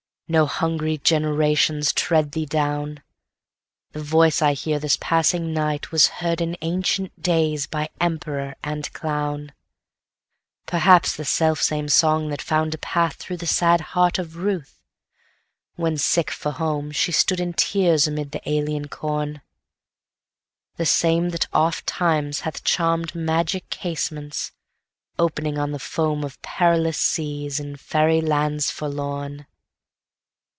No hungry generations tread thee down; The voice I hear this passing night was heardIn ancient days by emperor and clown:Perhaps the self same song that found a pathThrough the sad heart of Ruth, when, sick for home, She stood in tears amid the alien corn; The same that oft times hathCharm'd magic casements, opening on the foamOf perilous seas, in faery lands forlorn.